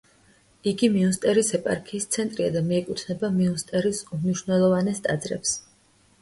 იგი მიუნსტერის ეპარქიის ცენტრია და მიეკუთვნება მიუნსტერის უმნიშვნელოვანეს ტაძრებს.